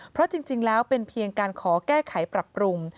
เพราะจริงแล้วเป็นเพียงการขอแก้ไขปรับปรุง